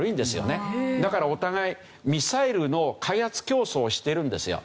だからお互いミサイルの開発競争をしているんですよ。